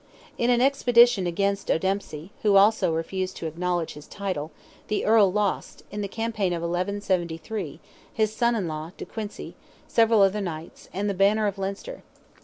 In an expedition against O'Dempsey, who also refused to acknowledge his title, the Earl lost, in the campaign of 1173, his son in law, de Quincy, several other knights, and the "banner of Leinster."